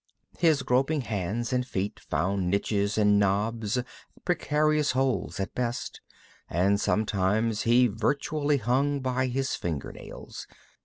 His groping hands and feet found niches and knobs, precarious holds at best, and sometimes he virtually hung by his finger nails.